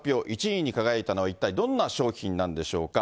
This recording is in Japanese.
１位に輝いたのは一体どんな商品なんでしょうか。